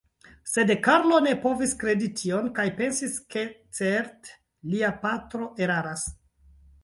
Sed Karlo ne povis kredi tion kaj pensis, ke certe lia patro eraras.